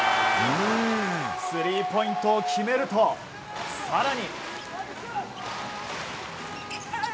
スリーポイントを決めると更に。